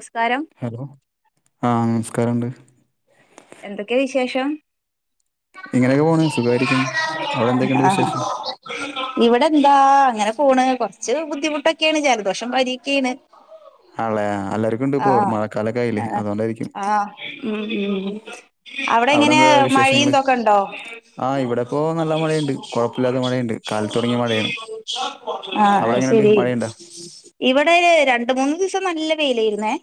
നമസ്കാരം ഹലോ ആ നമസ്കാരംണ്ട്. എന്തൊക്കെയ വിശേഷം ഇങ്ങനെയൊക്കെ പോണ് സുഖയിരിക്കണ് അവിടെ എന്തൊക്കെയുണ്ട് വിശേഷം ഇവിടെന്താ അങ്ങനെ പോണ് കുറച്ച് ബുദ്ധിമുട്ടൊക്കെണ് ജലദോഷം പനിക്കെയാണ്. ആളെ എല്ലാവർക്കും ഉണ്ട് ആ ഇപ്പോ മഴക്കാലൊക്കെ ആയില്ലേ ആ അതുകൊണ്ടായിരിക്കും ആ മ് മ് അവിടെ അവിടെങ്ങനെ? എന്താ വിശേഷങ്ങള് മഴന്തൊക്കെ ണ്ടോ? ആഹ് ഇവിടെ ഇപ്പോ നല്ല മഴയുണ്ട് കുഴപ്പമില്ലാത്ത മഴയുണ്ട് കാലത്ത് തുടങ്ങിയ മഴയാണ് ആ. അവിടെ എങ്ങനെയുണ്ട് ശരി മഴയുണ്ടോ ഇവിടെ രണ്ട് മൂന്ന് മൂന്നീസം നല്ല വെയിലായിരുന്നേ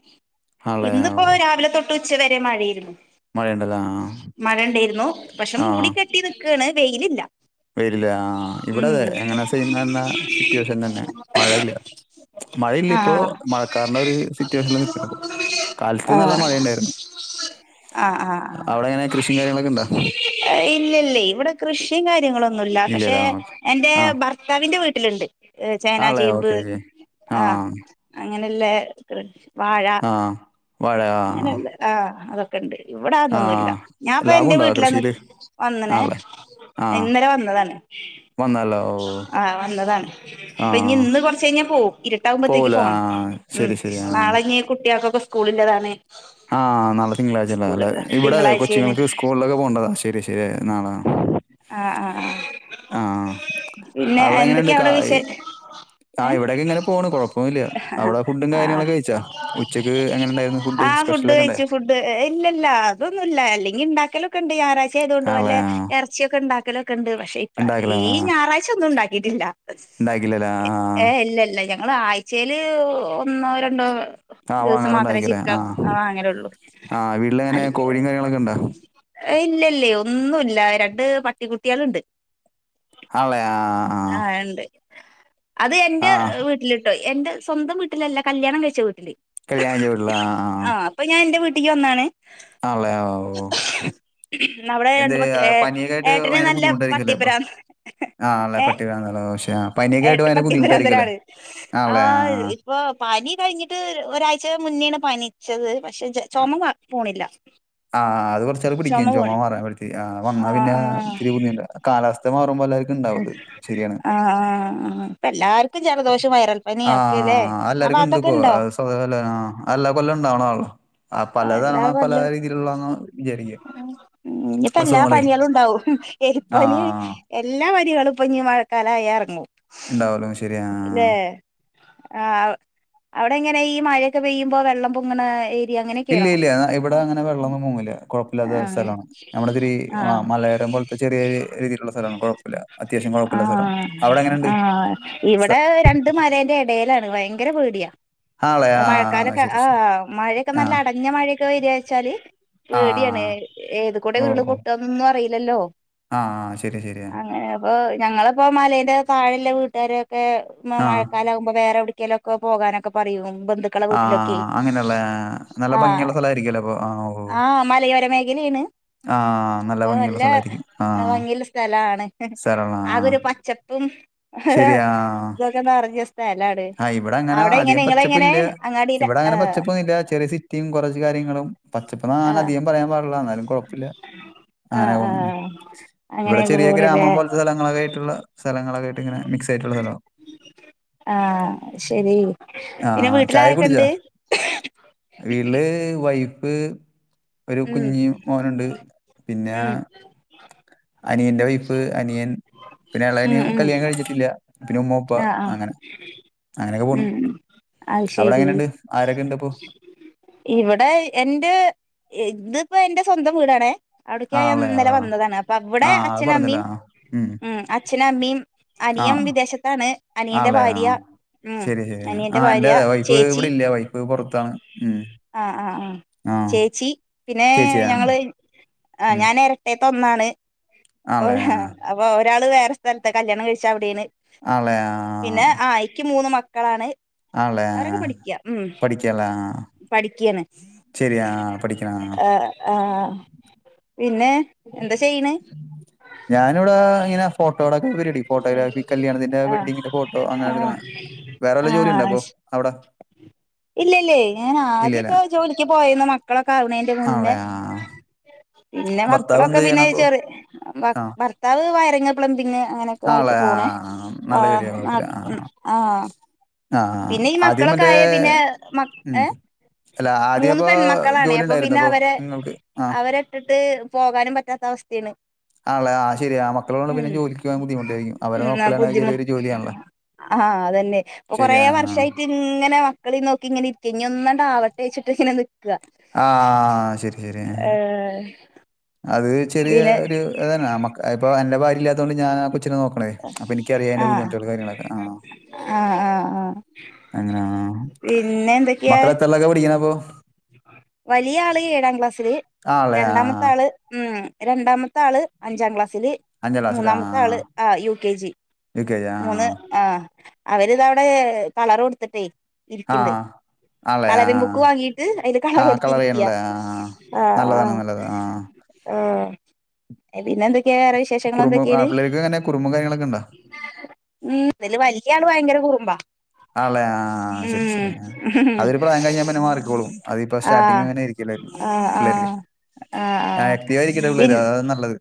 ആളെ ഇന്നിപ്പോ ഓ, രാവിലെ തൊട്ട് ഉച്ച വരെ മഴയിരുന്നു. മഴയുണ്ടല്ലോ ആഹ് മഴണ്ടായിരുന്നു പക്ഷെ മൂടി കെട്ടി നിക്കാണ് വെയിലില്ല. വരില്ല ആ ഉം ഇവടതെ എങ്ങനെ സേ സിറ്റുവേഷൻ തന്നെ മഴയില്ല. മഴയില്ല ഇപ്പോ മഴ കാർണ്ടോരു ആ. മഴയുണ്ടായിരുന്നു ആ ആ അവിടെ എങ്ങനെ ആ കൃഷിയും കാര്യങ്ങളൊക്കെ ഉണ്ടോ ഇല്ലല്ല ഇവിടെ കൃഷി കൃഷിം കാര്യങ്ങളൊന്നുല്ല പക്ഷെ ഇല്ലല്ലോ എന്റെ ആഹ് ഭർത്താവിന്റെ വീട്ടിലുണ്ട്. ചേന ആണല്ലേ ചേമ്പ് ഓക്കെ ഓക്കെ ആ അങ്ങനെലെ വാഴ ആ വാഴ ആ അങ്ങനെല്ല ആ അതൊക്കെ ഉണ്ട്. ആ ഇവിടതൊന്നുംല്ല ഞാൻപ്പന്റെ ലാഭമുണ്ടോ വീട്ടിലന്ന് കൃഷിയിൽ വന്നണെ. ആണല്ലേ ആ ഇന്നലെ വന്നതാണ്. വന്നല്ലോ ഓ ആ വന്നതാണ് ആ അപ്പൊഞ് ഇന്ന് കുറച്ചഴിഞ്ഞാ പോവും ഇരുട്ടാകുമ്പോത്തേക്ക് പോവൂല ആ പോണം. ശരി ശരി ആ നാളെഞ്ഞി കുട്ടികൾക്കൊക്കെ സ്കൂളില്ലതാണ്. ആ നാളെ തിങ്കളാഴ്ചല്ലേ സ്കൂള് അല്ലെ ഇവിടെ തിങ്കളാഴ്ചയാണ് കൊച്ചുങ്ങകൾക്ക് സ്കൂളിലൊക്കെ പോണ്ടതാ ശരി ശരി നാളെ ആ ആ ആ അവിടെ പിന്നെന്തൊക്കെ എങ്ങനെയുണ്ട് കാ വിടെ വിശേ ആ ഇവിടെയൊക്കെ ഇങ്ങനെ പോണ് കുഴപ്പമൊന്നുമില്ല ഹാ അവിടെ ഫുഡും ഹാ കാര്യങ്ങളൊക്കെ കഴിച്ചാ ഉച്ചക്ക് എങ്ങനെ ഉണ്ടായിരുന്നു ആ ഫുഡ് സ്പെഷ്യലൊക്കെ ഉണ്ടായി കഴിച്ചു ഫുഡ് ഇല്ല ഇല്ല അതൊന്നുല്ല അല്ലെങ്കിണ്ടാക്കലൊക്കെണ്ട് ഞായറാഴ്ച ആയതൊണ്ട് ആണല്ലേ വല്ലേ ആ ച്ചിഒക്കെ ഉണ്ടാക്കലൊക്കെണ്ട് പക്ഷെ ഇപ്ര ഉണ്ടാക്കില്ല ഈ ആ ഞായറാഴ്ച്ച ഒന്നും ഉണ്ടാക്കിട്ടില്ല. ഉണ്ടാക്കില്ലല്ലേ ആ ഏ ഇല്ല ഇല്ല ഞങ്ങള് ആഴ്ചെൽ ഒന്നോ രണ്ടോ ആ ദിവസം മാത്രെ വാങ്ങാറുണ്ടാക്കില്ലേ ചിക്കൻ ആ വാങ്ങലു ള്ളൂ ആ വീട്ടിലെങ്ങനെ അല് കോഴിയും കാര്യങ്ങളൊക്കെ ഉണ്ടോ? ഇല്ലല്ലേ ഒന്നുംല്ല രണ്ട് പട്ടികുട്ടികളുണ്ട് ആണല്ലേ ആ ആ ണ്ട് അത് എന്റെ ആ. ആ വീട്ടിലിട്ടോ. എന്റെ സ്വന്തം വീട്ടിലല്ല കല്യാണം കഴിച്ച വീട്ടില്. കല്യാണ വീട്ടില ആ ആ. ഒന്നാണ് ആണല്ലേ ഓ ഓ. നമ്മുടെ എന്ത് രണ്ട് ആ, പനിയൊക്കെ ആയിട്ട് ഏട്ടനെ ഭയങ്കര നല്ല ബുദ്ധിമുട്ടായിരിക്കുമല്ലേ ഇപ്പൊ? പത്തിപ്പരന്ന് ആണല്ലേ ഏ പട്ടി വേണമല്ലോ പക്ഷേ പനിയൊക്കെ ആയിട്ട് ഭയങ്കര ബുദ്ധിമുട്ടായിരിക്കുമല്ലേ? പട്ടിപ്രാന്തനാണ് ആ ഇപ്പൊ പനി കഴിഞ്ഞിട്ട് ഒരാഴ്ച ന്നേണ് പനിച്ചത് പക്ഷെ ചുമ പോണില്ല. ആഹ് അത് കുറച്ചാൽ പിടിക്കും ചുമ മാറാൻ അത് ആ വന്നാ പിന്നെത്തിരി ബുദ്ധിമുട്ടാ കാലാവസ്ഥ മാറുപോലെ ആ ഇപ്പ ല്ലാർക്കും. ജലദോഷം ആ വൈരൽപ്പനിയും ഒക്കെല്ലേ ആ എല്ലാവർക്കും ഉണ്ട് ഭാത്തൊക്കെ ഇപ്പോ ഇണ്ടോ? അത് സ്വതവല്ല ആ എല്ലാ കൊല്ലം ഉണ്ടാവണതാണല്ലോ. ആ എല്ലാ പലതവണ പല പല്ല രീതിയിലുള്ളതാന്ന് വിചാരിക്കുക ഇഞ്ഞിപ്പം എല്ലാ അസുഖങ്ങളെ. പന്യേളുണ്ടാവും. ആ എലിപ്പനി എല്ലാ പന്യേളും ഇപ്പഞ്ഞി മഴക്കാലായാർങ്ങും. ഉണ്ടാവലോ ശരിയാ ആ ആ ആ ആ അവിടെ എങ്ങനെ ഈ മഴയൊക്കെ പെയ്യുമ്പോ വെള്ളം പൊങ്ങണ ഏരിയ ഇല്ല അങ്ങനെയൊക്കെയാണോ ഇല്ല ഇവിടെ അങ്ങനെ വെള്ളമൊന്നും പോങ്ങില്ല ആ കുഴപ്പമില്ലാത്ത സ്ഥലമാണ് നമ്മുടെ ഇത്തിരി ആ മലയരം പോല ചെറിയ രീതിയിലുള്ള സ്ഥല കുഴപ്പല്ല ആ ആ ഇവിടെ രണ്ട മലേന്റെ ഇടയിലാണ് ഭയര ഭയങ്കര പേട്യ. ആളെ ആ മഴക്കാലൊക്കെ ശരി ആഹ ശരി മഴയൊക്കെ ആ നല്ല അടഞ്ഞ മഴയൊക്കെ വരാച്ചാല്... ആ പേടിയാണ് ഏത് കൂടെ ഉരുള് പൊട്ടാന്നൊന്നും അറിയില്ലല്ലോ. ആഹ ആ ശ...... അങ്ങനെ അപ്പൊ ഞങ്ങളിപ്പോ മലന്റെ താഴല്ല വീട്ടുകാര.... ക്കെ ആ മഴക്കാലാകുമ്പോ വേറെ എവ്ട്ക്കേലൊക്കെ പോകാനൊക്കെ പറയും. ബന്ധുക്കളെ ആ വീട്ടിലൊക്കെ അങ്ങനെയുള്ള നല്ല ആ ഭംഗിയുള്ള സ്ഥലമായിരിക്കുമല്ലോ അപ്പോൾ ആ ഓ ആ മലയോരമേഖല.... ആണ് ആ അ ഭംഗിയുള്ള നല്ല സ്ഥലമായിരിക്കും ആ ഭംഗി യുള്ള സ്ഥലം സ്ഥലാണ് സ്ഥലമുള്ള ആ അതൊരു പച്ചപ്പും ഇതൊക്കെ നെറഞ്ഞ സ്...... ആഹ് ഇവിടെ അങ്ങനെ അധികം എങ്ങനെ പച്ചപ്പില്ല അങ്ങാടിയില ഇവിടെ അങ്ങനെ ആഹ് പച്ചപ്പൊന്നുമില്ല ചെറിയ സിറ്റിയും കുറച്ച കാര്യ.... കാര്യങ്ങളും ആഹ് പച്ചപ്പ്ന്നധികം പറയാൻ പാടില്ല എന്നാലും കുഴപ്പല്ല്യ അങ്ങന ആഹ് പോണ്. ആഹ് ഇവിടെ അങ്ങനെയൊക്കെ ചെറിയ പോണില്ലേ ഗ്രാമം പോലത്തെ സ്ഥലങ്ങളൊക്ക ആയിട്ടുള്ള സ്ഥലങ്ങളൊക്കെ ആയിട്ട് ഇങ്ങനെ മിക്സ് ആയിട്ടുള്ള സ്ഥലം. ആഹ ശരി പിന്നെ വീട്ടില് ചായ കുടിച്ചാ? ആരൊക്കെണ്ട്. വീട്ടില് വൈഫ്‌ വൈഫ്‌ ഒരു ഉം കുഞ്ഞി മോനുണ്ട് പിന്നെ. ഉം അനിയന്റെ വൈഫ് അനിയൻ പിന്നെ ഉം അളന ഉം കല്യാണം കഴിഞ്ഞിട്ടില്ല പിന്നെ ഉമ്മപ്പ ആഹ് ആഹ് അങ്ങനെ. അങ്ങനെയൊക്കെ പോണ് ഉം ഉം അത് അവിടെ ശരി എങ്ങനെണ്ട് ആരൊക്കെ ഇണ്ട് ഇപ്പൊ. ഇവിടെ എന്റെ ഇതിപ്പോ എന്റെ സ്വന്തം വീടാണേ. അവിടക്കെ ആ ആളെയോ? ഞാനിന്നലെ വന്നതാണ് അപ്പൊ ആ ആ അവിടെ അത് പറഞ്ഞല്ലോ അച്ഛനമ്മീും ആ ഉം ഉ അച്ഛനു അമ്മീം. ആ അനിയം വിദേശത്താണ് അനിയന്റെ ആളെയോ? ഭാര്യ. ഉം ശരി ശരി ആ അനിയന്റെ ന്റെ ഭാര്യ വൈഫ് ചേച്ചി ഇവിടെല്ല്യ വൈഫ് പൊറത്താണ് ഉം.... ആ ആ് ആ ചേച്ചി പിന്നെ ചേച്ചിയാ? ഞങ്ങള് ആ ഉം ഞാന് എരട്ടെ..... ത്ത ഒന്നാണ് ആണല്ലേ ആ അപ്പൊ ഒരാള് വേറെ സ്ഥലത്ത് കല്യാണം കഴിച്ച അവിടേണ്. ആളെ ആ പിന്നെ ആയിക്ക് മൂന്ന് മക്കളാണ്. ആളെ ആ അവരൊക്കെ പഠിക്ക്യ ഉം.... പഠിക്കലാ ശരിയാ പഠിക്കണ ആഹ ആഹ പിന്നെ.... എന്താ ചെയ്യണ് ഞാനിവിടെ ഇങ്ങനെ..... ഫോട്ടോടൊക്കെ പരിവാടി ഫോട്ടോഗ്രാഫി കല്യാണത്തിന്റെ ആഹ് വെഡിങ്ങിന്റെ ഫോട്ടോ അങ്ങനെ ആഹ് എടുക്കണ വേറെല് ജോലി ഉണ്ട അപ്പൊ അവിടെ അങ്ങനെ.... ട്ട്...... ഇല്ലല്യേ ഞാൻ ആദ്യൊക്കെ ജോലിക്ക് പോയീന്ന് മക്കളൊക്ക ആവണെന്റെ മുന്നേ. ആളെ ആ പിന്നെ ഭർത്താവ് മക്കളൊക്കെ എന്ത് പിന്നെ ചെയ്യണ അപ്പൊ ചെറി ആ ഭർത്താവ് വയറിങ്ങ് പ്ലംബിങ്.... അങ്ങനൊക്കെ ആയിട്ട് ആളെ ആ പോണേ ആ നല്ല ജോലിയാ കുഴപ്പില്ല ആ ആഹ.... ആ പിന്നെ ഈ ആദ്യം മക്കളൊക്കെ മറ്റേ ആയ പിന്നെ മ ഉം ഏ.... അല്ല ആദ്യം മൂന്ന് അപ്പൊ പെൺമക്കളാണ് ജോലി അപ്പൊ ഉണ്ടായിരുന്നു പിന്നെ അവരെ നിങ്ങൾക്ക് ആ അവരിട്ടിട്ട് പോകാനും പറ്റാത്ത..... വസ്ഥാണ്. ആണല്ലെ ആഹ് ശരി ആ മക്കളണ്ട് പിന്നെ ജോലി..... ൻ ബുദ്ധിമുട്ടായിരിക്കും അവരെ ഉം നോക്കലന്ന ബുദ്ധിമു ചെറിയൊരു ജോലിയാണല്ലോ. ആഹ് അതന്നെ ഇപ്പൊ കൊറേ ശരിയാ വർഷമായിട്ട് ഇങ്ങനെ മക്കളി നോക്കി ഇങ്ങന ഇഞ്ഞി ഒന്നണ്ടാവട്ട വെച്ചിട്ട് ഇങ്ങനെ.... നിക്ക ആഹ് ശരി ശരി. ഏഹ് അത് ചെറിയ പിന്നെ ഒരു ഇതന്നെ ഇപ്പൊ എന്റെ ഭാര്യ ഇല്ലാത്തതൊണ്ട് ഞാനാ കൊച്ചിനെ നോക്കണതേ അപ്പൊ എനിക്കറിയാ.... ആഹ് ബുദ്ധിമുട്ടുകൾ കാര്യങ്ങളൊക്കെ ആ. ആഹ് ആഹ് ആഹ് അങ്ങനെ ആ പിന്നെ എന്തൊക്കെയാ മക്കളെത്രേലൊക്കെ പിടിക്കണ അപ്പൊ? വലിയ ആള് ഏഴാം ക്ലാസ്സിില് ആ ആളെ ആ രണ്ടാമത്തെ ആള്.... ഉം, രണ്ടാമത്തെ ആള് അഞ്ചാം ക്ലാസ്. സിൽ, അഞ്ചാം ക്ലാസ്സില് ആ മൂന്നാമത്തെ ആള് U K G U K G ആ ൽ മൂന്ന് ആഹ്, അവരിതാ അവിടെ കളർ കൊടുത്തിട്ടേ ആ ഇരിക്കിണ്ട്. ആളെ ആ കളറിൻ ബുക്ക് വാങ്ങീട്ട് അതില് കളർ ആ കൊടുത്തിരിക്ക ചെയ്യണല്ലേ ആ ആഹ നല്ലതാണ് നല്ലത് ആ ആഹ് ആ, പിന്നെ എന്ത ക്കെ വേറെ വിശേഷങ്ങൾ കുറുമ്പും ആ എന്തൊക്കെയാണ്? പിള്ളേർക്ക് അങ്ങനെ കുറുമ്പും കാര്യങ്ങളൊക്കെ ഉണ്ടോ? ഉം അതില് വലിയ ആള് ഭയങ്കര കുറുമ്പാ. ആല്ലെ, ആ ആ ഉം ശരി അതൊരു പ്രായം കഴിഞ്ഞാ മാറിക്കോളും, അതിപ്പോ സ്റ്റാർട്ടിങ് അങ്ങനെരിക്കും. ' [unintelligible] ' ആഹ-ആഹ-ആഹ-ആഹ ആയിരിക്കട്ടെ പിള്ളേര് അതാ നല്ലത്.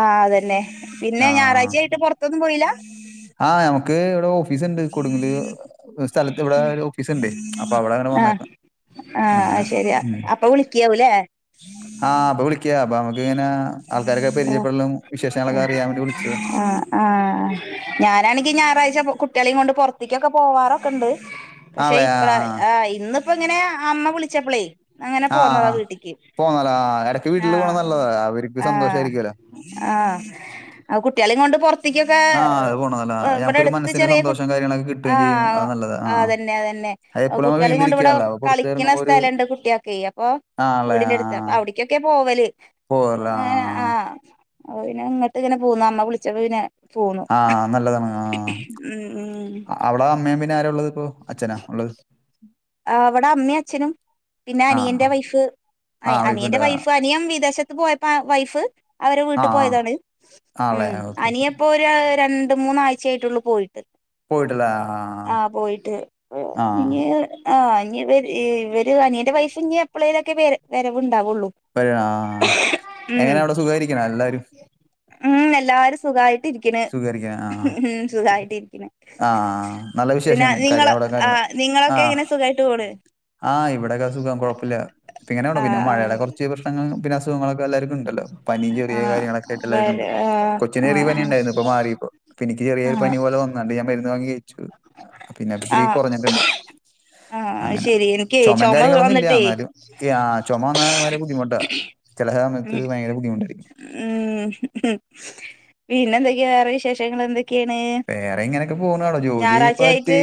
ആഹ, അതന്നെ പിന്നെ ഞായറാഴ്ച ആയിട്ട് പുറത്തൊന്നും പോയില്ല. ആഹ് നമ്മുക്ക് ഇവിടെ ഓ ഓഫീസ്ണ്ട് കൊടുങ്ങല് സ്ഥലത്ത് ഇവിടെ ഒരു ഓഫീസ് ഉണ്ട്. അപ്പൊ അവിടെ അങ്ങനെ വന്നേക്ക. ആഹ, ശെരിയാ അപ്പോ വിളിക്കിയാവൂലേ. ആഹ, അപ്പോ വിളിക്കാ. ഇങ്ങനെ ആൾക്കാരൊക്കെ പരിചയപ്പെടലും വിശേഷങ്ങളൊക്കെ അറിയാൻ വേണ്ടി വിളിച്ചത്. ഞാനാണെങ്കിൽ ഞായറഴ്ച്ച കുട്ടികളെ കൊണ്ട് പുറത്ത്ക്കൊക്കെ പോവാറൊക്കെ ഉണ്ട്. പക്ഷെ, ആളെ ഇപ്ര ആ ഇന്നിപ്പോ ഇങ്ങനെ അമ്മ വിളിച്ചപ്പളേ. അങ്ങനെ ആ പോന്നതാ വീട്ടിക്ക് പോന്നല്ല ഇടയ്ക്ക് വീട്ടിൽ ആഹ. പോണ നല്ലതാ അവർക്ക് സന്തോഷമായിരിക്കുമല്ലോ ആഹ-ആഹ-ആ കുട്ടികളെയും കൊണ്ട് പുറത്ത്, റത്ത് കൊക്കെ ആ അത് പോണതല്ല ഇവിടെ നമുക്കൊരു അടുത്ത് മനസ്സിന് ചെറിയ കു' [unintelligible] സന്തോഷം കാര്യങ്ങളൊക്കെ കിട്ടുകയും ചെയ്യും അത് 'ആഹ്- നല്ലത് ആ ആഹ്-അതെന്നെ അതെന്നെ, അത് എപ്പോഴും നമ്മൾ കുട്ടികളെ കൊണ്ട് ഇവിടെ വീട്ടിലിരിക്കാനുള്ള അപ്പൊ പുറത്ത് കളിക്കുന്ന ഇറങ്ങുമ്പോ ഒരു സ്ഥലംണ്ട് കുട്ടിയക്കെ അപ്പൊ. വീടിന്റെടുത്ത് അപ്പോ അവിടേക്കൊക്കെ പോവല്. പോവല് ആ... ഓ പിന്നെ ഇങ്ങട്ട് ഇങ്ങനെ പോന്നു അമ്മ വിളിച്ചപ്പോ പിന്നെ, പോന്നു ആഹ നല്ലതാണ് ആഹ ഉം ഉം അവടെ അമ്മേ പി പിന്നെ ആരള്ളത് ഇപ്പോ, അച്ഛനാ ഉള്ളത്. ഇവിടെ അമ്മയും അച്ഛനും പിന്നെ ആ ആ അനിയന്റെ വൈഫ് ആ വൈഫുണ്ട് അനിയന്റെ ആ വൈഫ് അനിയൻ വിദേ വിദേശത്ത് പോയപ്പോ വൈഫ് അവരെ ആ വീട്ടിൽ പോയതാണ്, ആ ആളെ ഉം ഓക്കെ ഓക്കെ അനിയൻ ഇപ്പോ രു രണ്ട് രണ്ട് മൂന്നാഴ്ചയായിട്ടുള്ളൂ പോയിട്ട്. പോയിട്ടില്ല ആ ആഹ് പോയിട്ട്, ആ ആ. ഇഞ്ഞ് ആ, ഇനി ഇവര്-ഇവര്- അനിയന്റെ വൈഫ് ഇനി എപ്പളേലും വര- വരവുണ്ട്. ണ്ടാവുള്ളു, ഒരു, ആ. എങ്ങനെ അവിടെ സുഖമായിരിക്കണം എല്ലാവരും മ്മ്-മ്മ്-എല്ലാരും സുഖായിട്ടിരിക്ക്ണ്, സുഖമായിരിക്കണം ആ സുഖായിട്ട്. ആ നല്ല പിന്നെ, വിശേഷം നിങ്ങള കാര്യം അവിടെ ആ നിങ്ങളൊക്കെ എങ്ങനെ സുഖായിട്ട് പോണ്. ആഹ്, ഇവിടൊക്കെ സുഖം കൊഴപ്പല്യ, ഇപ്പോ ഇങ്ങനെ പോണു, ആ പിന്നെ ആ മഴയുടെ കുറച്ച് പ്രശ്നങ്ങളും അസുഖങ്ങളൊക്കെ എല്ലാവർക്കും ഉണ്ടല്ലോ, പനിയും ചെറിയ ആ കാര്യങ്ങളൊക്കെയിട്ട് എല്ലാതും വര് ഉണ്ട്. ആ കൊച്ചിന് ആ ചെറിയ പനിയുണ്ടായിരുന്നു, ഇപ്പോ മാറിപ്പോ, എനിക്ക് ചെറിയ, പനി പോലെ വന്ന്ണ്ട്, ഞാൻ മരുന്ന് വാങ്ങി കഴിച്ചു, പിന്നെ ആ ആ ഇത്തിരി കുറഞ്ഞിട്ടുണ്ട്. ആ അങ്ങനെ, ശരി എനിക്ക് ചുമയും ചുമ കാര്യങ്ങളൊന്നും ഇല്ല. വന്നിട്ടേ എന്നാലും ആഹ് ചുമ വന്നാ വളരെ ബുദ്ധിമുട്ടാ ചെല സമയ ഉം, പിന്നെ എന്തൊക്കെയാ വേറെ വിശേഷങ്ങൾ എന്തൊ? വേറെ ഇങ്ങനെയൊക്കെ പോണുള്ളു, ഞായറാഴ്ച ആയിട്ട് ജോലിപ്പോത്തിരി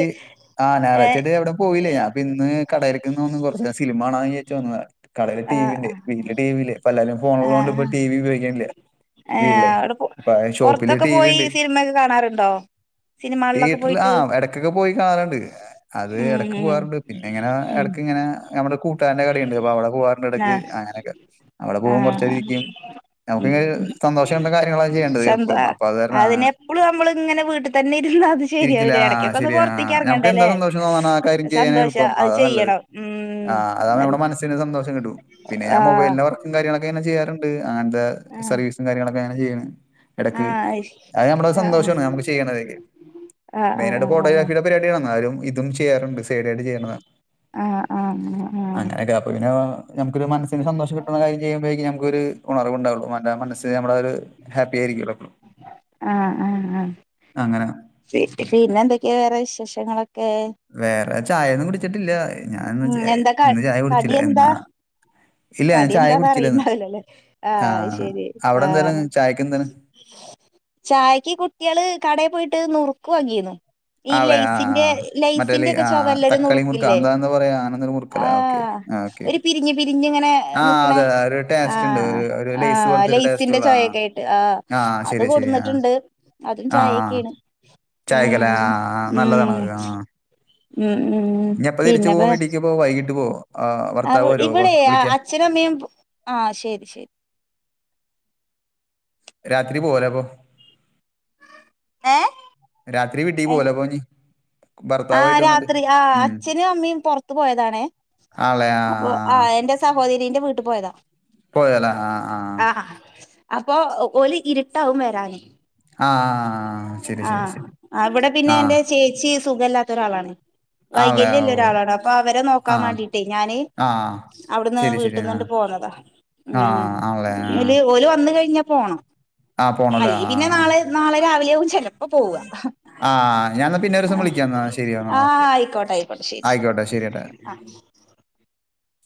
ആഹ്, ഏ ഞായറാഴ്ച്ചയായിട്ട് എവിടെ പോയില്ല, ഞാൻ ഇപ്പൊ ഇന്ന് കടയിടക്ക്ന്ന് വന്ന് കുറച്ച് നേരം സിൽമാണാന്ന്‌ വിചാരിച്ച് വന്നതാ. കടയില് ആ ടി വി ഉണ്ട്. വീട്ടില് ടി വി ഇല്ല, ഇപ്പോ എല്ലരും ആ ഫോണുള്ളത് കൊണ്ട് ഇപ്പോ ടി വി ഉപയോഗിക്കണില്ല. ഏ.. വീട്ടിലേ. അവിടെ ഇപ്പൊ ഷോപ്പില് പൊറത്തൊക്കെ പോയി സിനിമയൊക്കെ കാണാറുണ്ടോ? സിനിമകളിലൊക്കെ തീയേറ്ററില് പോയിട്ട് ആഹ് ഇടക്കൊക്കെ പോയി കാണാറുണ്ട്. അത് ഉം ഇടക്ക് ഉം പോകാറുണ്ട് പിന്നെ ഇങ്ങനെ ഉം ഇടക്ക് ഇങ്ങനെ നമ്മുടെ കൂട്ടുകാരന്റെ കടയുണ്ട്, അപ്പൊ അവിടെ പോവാറുണ്ട് ഇടക്ക്, ആഹ് അങ്ങനെയൊക്കെ അവിടെ പോകും കുറച്ച് നേരം ആഹ് ഇരിക്കും. നമുക്ക് ഉം ഇങ്ങനെ സന്തോഷാവണ്ട കാര്യങ്ങളൊക്കെ ചെയ്യേണ്ടേ' സ്വന്ത [unintelligible] 'അപ്പൊ അത് കാരണാണ് അങ്ങനെ അതിനെപ്പളും നമ്മള് ഇങ്ങനെ വീട്ടിൽ തന്നെ ഇരുന്നാ അത് ഇരിക്കില്ല. ശരിയാവില്ല, ആഹ് ഇടക്കൊക്കെ ഒന്ന് ശരിയാ. പുറത്തേക്ക് നമുക്ക് എന്താ ഇറങ്ങണ്ടല്ലേ സന്തോഷം തോന്നുന്നത് ആ കാര്യം ചെയ്യാനാ സന്തോഷ എളുപ്പം. അത് അതാ നല്ലത്. ചെയ്യണം. ഉം ആഹ് അതാവുമ്പോ നമ്മുടെ മനസ്സിന് സന്തോം കിട്ടും പിന്നെ ആ ആഹ് മൊബൈല് വർക്കും കാര്യങ്ങളൊക്കെങ്ങെ ചെയാുണ്ട് അങ്ങനത്തെ ആഹ് സർവീസും കാര്യങ്ങളക്കെ- ചെയ്യടക്ക് ആഹ് അ നമ്മുടെ സന്തോഷം നുക്ക് ചെയ്യ ആഹ് ആഹ് മെയിനായിട്ട് ആഹ് ഫോട്ടോഗ്രാഫിയുടെ പരിപാടി ആണ് ന്നാലും. ഇതും ചെയ്യാറുണ്ട് സൈഡായിട്ട് ചെയ്യണ ആഹ് ആഹ് ആഹ് അങ്ങനെയൊക്കെ അപ്പ ഇനെ- നമുക്ക് ഒരു മനസിന് സന്തോഷം കിട്ട്ണ കാര്യം ചെയ്യുമ്പോഴേക്ക് നമുക്ക് ഉണർവ് ണ്ടാവു ആഹ് ആഹ് ആഹ് അങ്ങനെ പിന്നെ എന്തൊക്കെയാ വേറെ വിശേഷങ്ങളൊക്കെ? വേറെ ചായയൊന്നും കുടിച്ചിട്ടില്ല ഞാൻ ഇന്ന് ഉം എന്താ ഇന്ന് ചായ കടി കുടിച്ചില്ല എന്താ എന്നാ- ഇല്ല ഞൻ കടി ചായ എന്താന്ന് കുടിച്ചില്ലന്ന് അറിയണ്ടാവില്ലല്ലേ ആഹ് ശരി അവിടെ എന്താണ് ചായക്ക് എന്താണ്? [unintelligible] ചായയ്ക്ക് കുട്ടികള് കടയിൽ പോയിട്ട് നുറുക്കുവാങ്കീന്ന്- ഈ ആളെ ആ ലൈസിന്റെ മറ്റേ ലൈ ലൈസിന്റെ ഒക്കെ ആ പൊവ എല്ലരും ന തക്കാളി മുറുക്ക് നുറുക്കില്ലേ. എന്താ എന്താ പറയാ അങ്ങനെന്തോ മുറുക്കല്ലേ? ഓക്കെ ആഹ് ഓക്കെ. ആ ഓക്കെ ഒരു ഓക്കെ. പിരിഞ്ഞ് പിരിഞ്ഞ് ങ്ങനെ ആ നിക്കണേ അതെ ഒരു ടേസ്റ്റ് ഉണ്ട്. ആഹ്. ഒരു ആ ലെയ്സ് പോലത്തെ ഒരു ടേസ്റ്റ് ലൈസിന്റെ ഉള്ള ചോയൊക്കെ ആയിട്ട് ആ അത് ശരി ശരി ആ ശരിയാ ശരിയാ. കൊടുന്നിട്ടുണ്ട് അതും ആ ചായയൊക്കെ- ചായക്കല്ലേ? ആ ഉം ആ നല്ലതാണ് ഉം അത്. ആ ഉം ഇനി എപ്പോ തിരിച്ചു പിന്നെപ്പ പോകും വീട്ടിലേക്ക് ഇപ്പോ വൈകിട്ട് പോവോ? ആ ഭർത്താവ് വരുവോ അപ്പൊ ഇവിടെ വിളിക്കാൻ? അച്ഛനമ്മയും- ആ ശരി ശരി. രാത്രി പോവല അപ്പൊ. ഏഹ് രാത്രി വിട്ടി പോവൂലെ പോഞ്ഞീ- ആ രാത്രി ആ അച്ഛനും അമ്മും പുറത്തു പോയതാണേ. ആളെ ആ അപ്പൊ ആ എന്റെ സഹോദരിന്റെ വീട്ടിൽ പോയതാ- പോയല്ലേ ആ ആ ആഹ് അപ്പൊ ഓലി ഇരുട്ടാവും വരാനെ. ആ ആ, ശരി ശരി ശരി ആഹ് വിടെ പിന്നെ ആ എൻ്റെ ചേച്ചി സുഖ ല്ലാത്ത ഒരാളാണ്. ആളെ വൈകല്യംല്ല ഓ ഒരാളാണ് അപ്പൊ അവരെ ആ നോക്കാൻ വേണ്ടിട്ടേ ഞാന് ആ അവിടുന്ന് ശരി ശരി ആ വീട്ടിൽന്ന്ണ്ട്. പോന്നതാ ആ ആണല്ലേ ന്നീട് ഓൽ വന്ന് കഴി - ആഹ് പോണല്ലേ ആ. നാളെ നാളെ രാവിലെയും ചെലപ്പോ പോവാ. ആ ആ ഞാനെന്നാ പിന്നെ ഒരു ആ ദിവസം വിളിക്കാം എന്നാ ശരി എന്നാ ആ ഓക്കെ ആയിക്കോട്ടെ ആയിക്കോട്ടെ ശരി ആയിക്കോട്ടെ ഏട്ടാ ശരി ആഹ് [unintelligible]